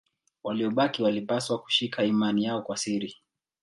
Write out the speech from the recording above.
Waliobaki walipaswa kushika imani yao kwa siri.